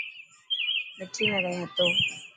مٺي ۾ ڪئي هتو؟